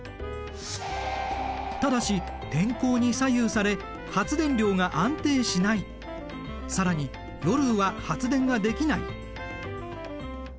ただし天候に左右され発電量が安定しない更に夜は発電ができない。